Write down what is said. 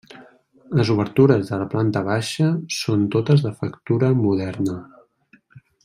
Les obertures de la planta baixa són totes de factura moderna.